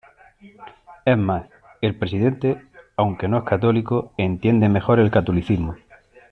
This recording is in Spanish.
Es más, el Presidente, aunque no es católico, entiende mejor el catolicismo.